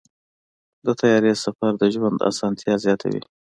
د طیارې سفر د ژوند اسانتیاوې زیاتوي.